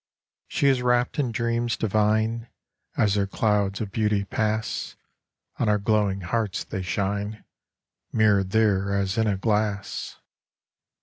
She is rapt in dreams divine : As her clouds of beauty pass, On our glowing hearts they shine, Mirrored there as in a glass.